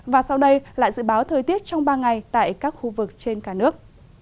và sau đây lại dự báo thời tiết trong ba ngày tại các khu vực trên cả nước